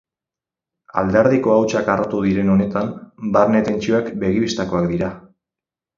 Alderdiko hautsak harrotu diren honetan, barne tentsioak begibistakoak dira.